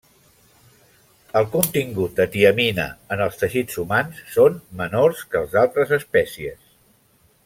El contingut de tiamina en els teixits humans són menors que els d'altres espècies.